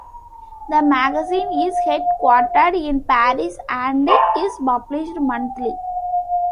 The magazine is headquartered in Paris and is published monthly.